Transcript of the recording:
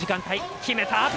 決めた。